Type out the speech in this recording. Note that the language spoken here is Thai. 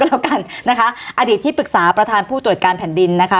แล้วกันนะคะอดีตที่ปรึกษาประธานผู้ตรวจการแผ่นดินนะคะ